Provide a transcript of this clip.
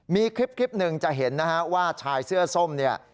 มีคลิปหนึ่งจะเห็นนะฮะว่าชายเสื้อส้มเนี่ย